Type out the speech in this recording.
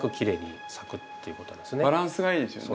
バランスがいいですよね。